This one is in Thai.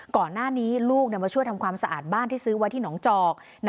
ก่อนหน้านี้ลูกมาช่วยทำความสะอาดบ้านที่ซื้อไว้ที่หนองจอก